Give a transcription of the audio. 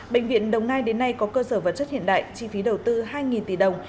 bệnh viện đồng nai đến nay có cơ sở vật chất hiện đại chi phí đầu tư hai tỷ đồng